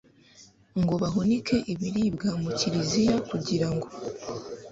ngo bahunike ibiribwa mu kiriziya kugira ngo